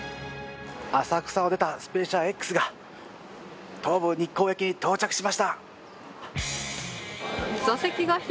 浅草を出たスペーシアＸが東武日光駅に到着しました。